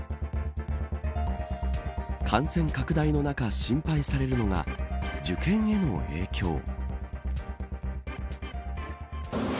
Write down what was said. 感染拡大の中、心配されるのが受験への影響。